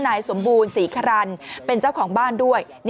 นายสมบูรณศรีครันเป็นเจ้าของบ้านด้วย